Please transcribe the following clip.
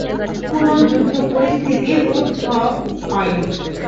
কোনো যুদ্ধ-পরিস্থিতির উদ্ভব হয়নি।